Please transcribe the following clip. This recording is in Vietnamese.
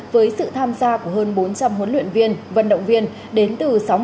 với sự tham gia của hơn bốn trăm linh huấn luyện viên vận động viên đến từ sáu mươi